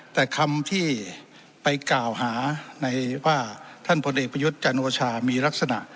แต่คำที่ไปกล่าวหาในว่าท่านพลเอกประยุทธ์จันโอชามีลักษณะ